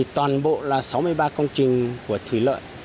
toàn bộ là sáu mươi ba công trình của thủy lợi